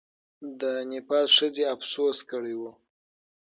د نېپال ښځې افسوس کړی وو.